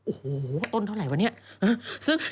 โอ้โฮต้นเท่าไรวะนี่ซึ่ง